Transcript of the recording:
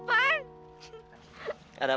apa tiada siapa